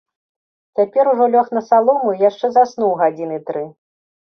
Цяпер ужо лёг на салому і яшчэ заснуў гадзіны тры.